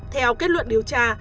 theo kết luận điều tra